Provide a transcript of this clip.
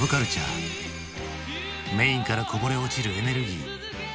メインからこぼれ落ちるエネルギー。